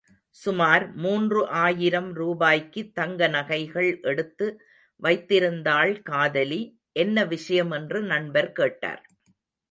சுமார் மூன்று ஆயிரம் ரூபாய்க்கு தங்க நகைகள் எடுத்து வைத்திருந்தாள் காதலி, என்ன விஷயம் என்று நண்பர் கேட்டார்.